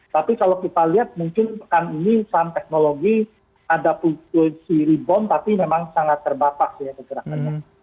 tapi kalau kita lihat mungkin pekan ini saham teknologi ada fungsi rebound tapi memang sangat terbatas ya pergerakannya